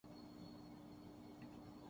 اس نے اپنا homework ایک گھنٹے میں ختم کر لیا